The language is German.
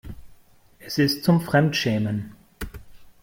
Es ist zum Fremdschämen.